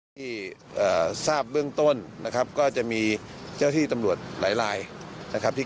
ที่ทราบเบื้องต้นนะครับก็จะมีเจ้าที่ตำรวจหลายลายนะครับที่